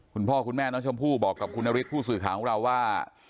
คุณพ่อคุณแม่น้องชมพู่บอกกับคุณนฤทธิผู้สื่อข่าวของเราว่า